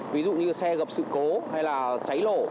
ví dụ như xe gặp sự cố hay là cháy nổ